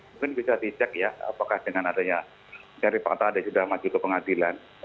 mungkin bisa dicek ya apakah dengan adanya dari fakta ada yang sudah maju ke pengadilan